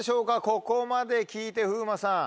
ここまで聞いて風磨さん。